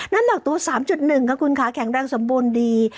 น้ำหนักตัว๓๑ค่ะคุณคะแข็งแรงสมบูรณ์ดี